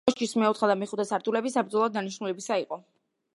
კოშკის მეოთხე და მეხუთე სართულები საბრძოლო დანიშნულებისა იყო.